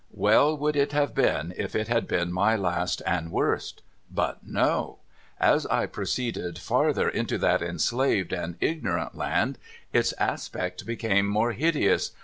Well would it have been if it had been my last and worst. But no. As I proceeded farther into that enslaved and ignorant land, its aspect became more hideous.